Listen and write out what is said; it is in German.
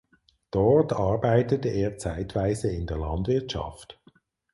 Dort arbeitete er zeitweise in der Landwirtschaft.